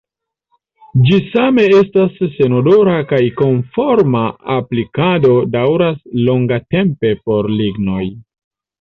Ĝi same estas senodora kaj konforma aplikado daŭras longatempe por lignoj.